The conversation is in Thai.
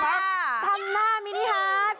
ทำหน้ามินิฮาร์ด